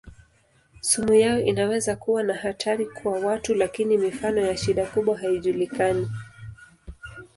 Sumu yao inaweza kuwa na hatari kwa watu lakini mifano ya shida kubwa haijulikani.